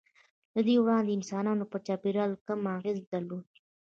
له دې وړاندې انسانانو پر چاپېریال کم اغېز درلود.